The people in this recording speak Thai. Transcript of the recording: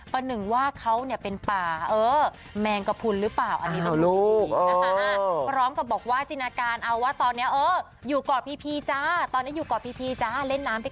ก็หนึ่งว่าเขาเป็นป่าแมงกระพุนหรือเปล่าอันนี้นะคุณผู้ชมป่อย